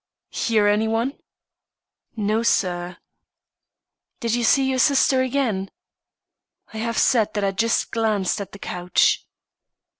"Hear any one?" "No, sir." "Did you see your sister again?" "I have said that I just glanced at the couch."